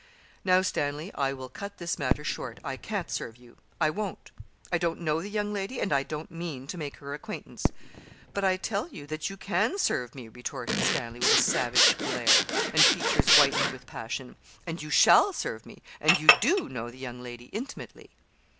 'Now, Stanley, I will cut this matter short. I can't serve you. I won't. I don't know the young lady, and I don't mean to make her acquaintance.' 'But I tell you that you can serve me,' retorted Stanley, with a savage glare, and features whitened with passion, 'and you shall serve me; and you do know the young lady intimately.'